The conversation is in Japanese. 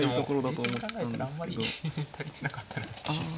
冷静に考えたらあんまり足りてなかったなっていう。